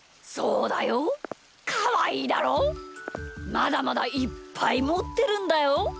まだまだいっぱいもってるんだよ。